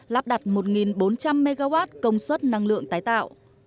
lắp đặt một bốn trăm linh mw công suất năng lượng tái tạo